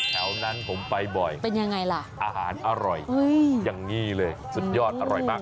แถวนั้นผมไปบ่อยเป็นยังไงล่ะอาหารอร่อยอย่างนี้เลยสุดยอดอร่อยมาก